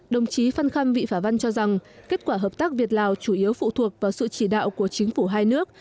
đồng chí phan khâm vị phả văn cho rằng kết quả hợp tác việt lào chủ yếu phụ thuộc vào sự chỉ đạo của chính phủ hai nước